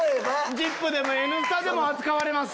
『ＺＩＰ！』でも『Ｎスタ』でも扱われます。